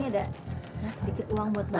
dan ini ada sedikit uang buat bapak